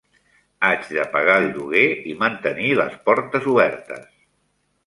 Haig de pagar el lloguer i mantenir les portes obertes.